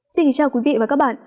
xin kính chào quý vị và các bạn